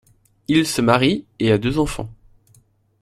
Il se marie et a deux enfants.